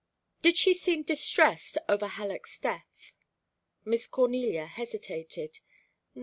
"Did she seem distressed over Halleck's death?" Miss Cornelia hesitated.